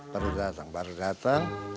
baru datang baru datang